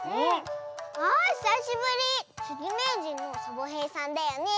あひさしぶり！つりめいじんのサボへいさんだよね。